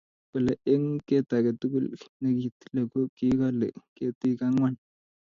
kole eng' ket age tugul ne kitile ko kikole ketik ang'wan